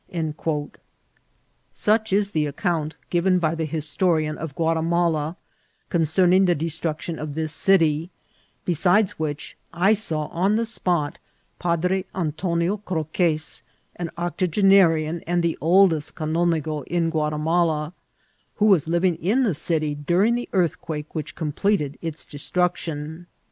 '' 8uch is the account given by the historian of GKiati mala concerning the destruction of this city; besides which, I saw on the spot Padre Antonio Croques, an octogenarian, and the oldest canonigo in Guatimala, who was living in the city during the earthquake which completed its destruction.